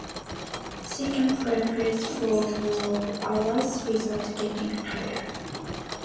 She can play fetch for hours without getting tired.